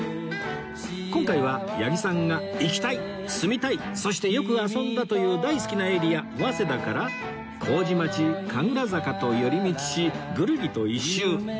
今回は八木さんが行きたい住みたいそしてよく遊んだという大好きなエリア早稲田から麹町神楽坂と寄り道しぐるりと一周